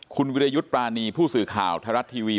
คุณวิรยุทธ์ปรานีผู้สื่อข่าวไทยรัฐทีวี